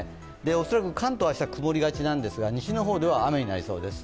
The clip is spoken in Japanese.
恐らく関東は明日曇りがちなんですけれども西の方では雨になります。